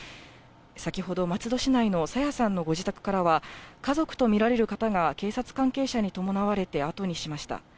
先ほど、松戸市内の朝芽さんのご自宅からは、家族と見られる方が警察関係者に伴われて、後にしました。